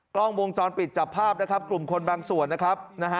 กล้องวงจรปิดจับภาพนะครับกลุ่มคนบางส่วนนะครับนะฮะ